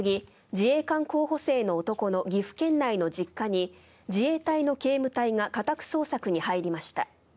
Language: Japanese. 自衛官候補生の男の岐阜県内の実家に自衛隊の警務隊が家宅捜索に入りました。